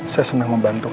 saya senang membantu kamu